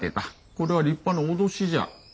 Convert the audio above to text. これは立派な脅しじゃ。